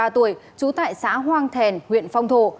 hai mươi ba tuổi trú tại xã hoang thèn huyện phong thổ